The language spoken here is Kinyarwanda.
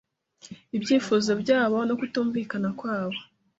ibyifuzo byabo no kutumvikana kwabo